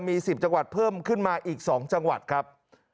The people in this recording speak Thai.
มี๑๐จังหวัดเพิ่มขึ้นมาอีก๒จังหวัดครับ